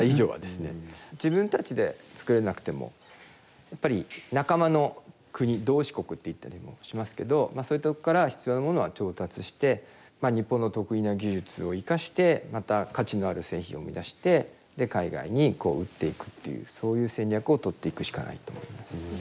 自分たちで作れなくてもやっぱり仲間の国同志国って言ったりもしますけどそういったとこから必要なものは調達して日本の得意な技術を生かしてまた価値のある製品を生み出して海外に売っていくっていうそういう戦略を取っていくしかないと思います。